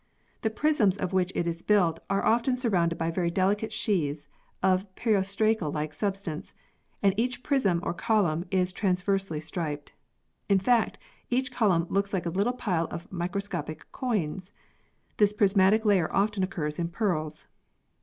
The prisms of which it is built are often surrounded by very delicate sheaths of periostracal like substance and each prism or column is transversely striped. In fact, each column looks like a little pile of microscopic coins. This prismatic layer often occurs in pearls.